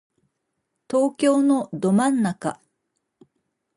東京のど真ん中